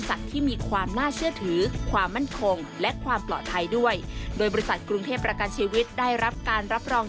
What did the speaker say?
สำหรับการเลือกซื้อประกันชีวิตแบบออนไลน์